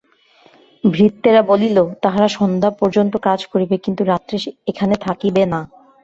ভৃত্যেরা বলিল, তাহারা সন্ধ্যা পর্যন্ত কাজ করিবে, কিন্তু রাত্রে এখানে থাকিবে না।